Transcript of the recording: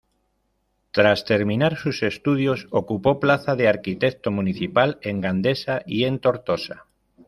Tras terminar sus estudios ocupó plaza de arquitecto municipal en Gandesa y en Tortosa.